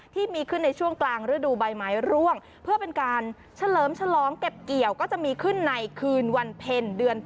ที่มีขึ้นในช่วงกลางฤดูใบไม้ร่วงเพื่อเป็นการเฉลิมฉลองเก็บเกี่ยวก็จะมีขึ้นในคืนวันเพ็ญเดือน๘